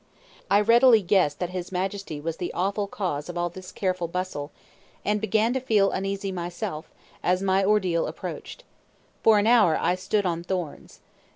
I readily guessed that his Majesty was the awful cause of all this careful bustle, and began to feel uneasy myself, as my ordeal approached. For an hour I stood on thorns.